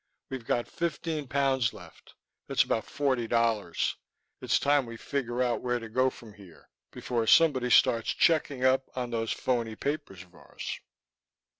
"We've got fifteen pounds left that's about forty dollars. It's time we figure out where to go from here, before somebody starts checking up on those phoney papers of ours."